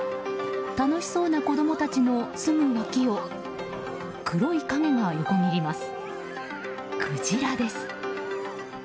楽しそうな子供たちのすぐ脇を黒い影が横切ります。